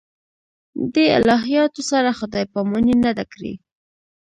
دې الهیاتو سره خدای پاماني نه ده کړې.